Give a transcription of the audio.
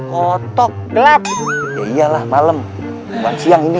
kotok gelap iyalah malam siang ini